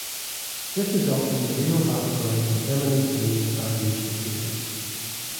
This is often the real battleground in eminent domain valuation cases.